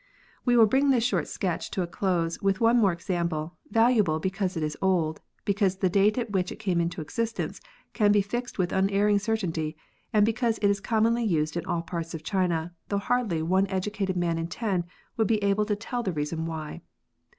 We will bring this short sketch to a close with one more example, valuable because it is old, because the date at which it came into existence can be fixed with unerring certainty, and because it is commonly used in all parts of China, though hardly one educated man in ten would be able to tell the reason why.